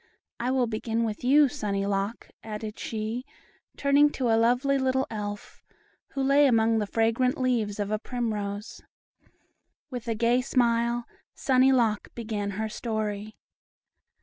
I will begin with you, Sunny Lock," added she, turning to a lovely little Elf, who lay among the fragrant leaves of a primrose. With a gay smile, "Sunny Lock" began her story.